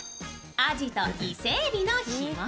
あじと伊勢えびの干物。